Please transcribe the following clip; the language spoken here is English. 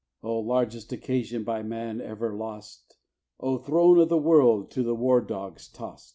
Oh largest occasion, by man ever lost! Oh throne of the world, to the war dogs tost!